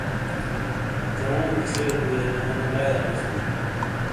چاؤوں نی چھیلے دھویاریونو لائی ابش ہی۔